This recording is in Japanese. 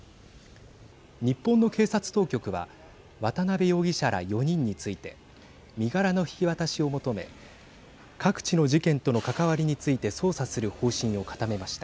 日本の警察当局は渡邉容疑者ら４人について身柄の引き渡しを求め各地の事件との関わりについて捜査する方針を固めました。